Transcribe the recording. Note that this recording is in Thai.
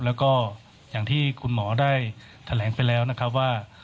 แล้วก็อย่างที่คุณหมอได้แถลงไปแล้วนะครับว่า